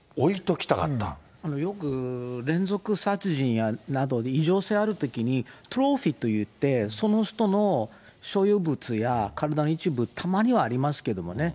よく連続殺人など異常性があるときに、トロフィーといって、その人の所有物や体の一部、たまにはありますけれどもね。